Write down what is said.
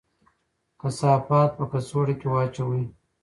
کثافات په کڅوړه کې واچوئ.